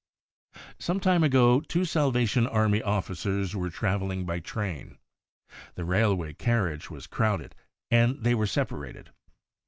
Some time ago, two Salvation Army Officers were travelling by train. The railway carriage was crowded, and they were separated.